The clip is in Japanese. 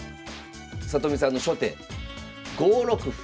里見さんの初手５六歩。